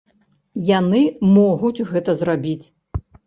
Яны могуць гэта зрабіць.